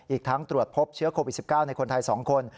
อีกทั้งตรวจพบเชื้อโควิด๑๙ในคนไทย๒คน